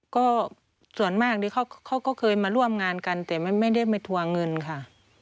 ก็ส่วนมากเขาก็เคยมาร่วมงานกันแต่ไม่ได้มาทัวร์เงินค่ะ